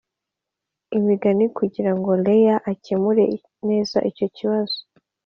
Imigani Kugira ngo Leah akemure neza icyo kibazo